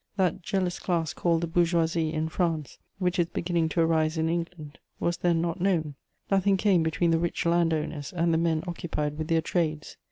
That jealous class called the bourgeoisie in France, which is beginning to arise in England, was then not known: nothing came between the rich land owners and the men occupied with their trades.